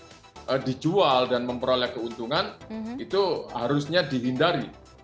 tendensi untuk menjadikannya sebagai konten yang dijual dan memperoleh keuntungan itu harusnya dihindari